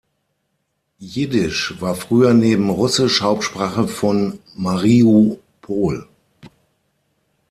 Jiddisch war früher neben Russisch Hauptsprache von Mariupol.